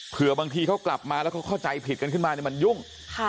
บางทีเขากลับมาแล้วเขาเข้าใจผิดกันขึ้นมามันยุ่ง